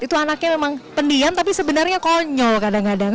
itu anaknya memang pendiam tapi sebenarnya konyol kadang kadang